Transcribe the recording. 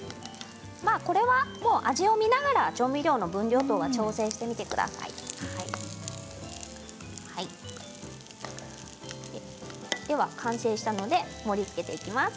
味を見ながら調味料の分量は調整してみてください。では完成したので盛りつけていきます。